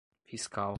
fiscal